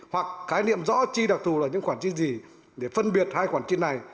hoặc khái niệm rõ chi đặc thù là những khoản chi gì để phân biệt hai khoản chi này